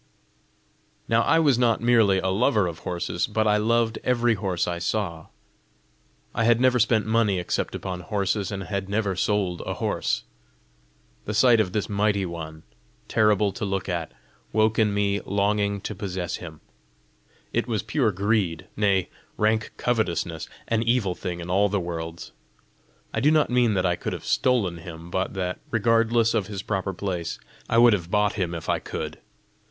Now I was not merely a lover of horses, but I loved every horse I saw. I had never spent money except upon horses, and had never sold a horse. The sight of this mighty one, terrible to look at, woke in me longing to possess him. It was pure greed, nay, rank covetousness, an evil thing in all the worlds. I do not mean that I could have stolen him, but that, regardless of his proper place, I would have bought him if I could.